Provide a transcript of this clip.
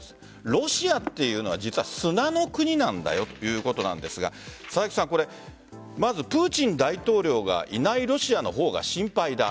ロシアというのは実は砂の国なんだよということなんですがまず、プーチン大統領がいないロシアの方が心配だ。